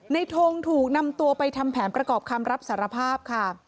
ทงถูกนำตัวไปทำแผนประกอบคำรับสารภาพค่ะ